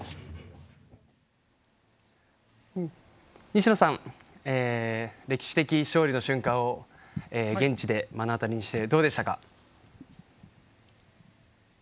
西野さん、歴史的勝利の瞬間を現地で目の当たりにしてどうでしたか。